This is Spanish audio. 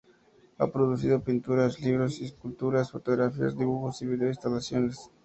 Ha producido pinturas, libros, esculturas, fotografías, dibujos y vídeo instalaciones.